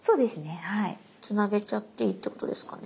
つなげちゃっていいってことですかね？